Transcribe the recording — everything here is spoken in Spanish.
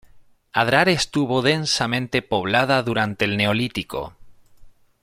Adrar estuvo densamente poblada durante el Neolítico.